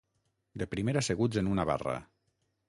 De primer asseguts en una barra.